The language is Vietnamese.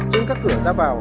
trên các cửa ra vào